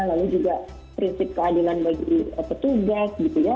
lalu juga prinsip keadilan bagi petugas gitu ya